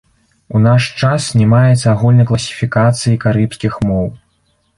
У наш час не маецца агульнай класіфікацыі карыбскіх моў.